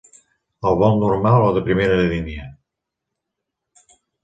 El vol normal o de primera línia?